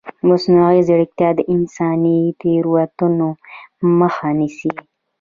مصنوعي ځیرکتیا د انساني تېروتنو مخه نیسي.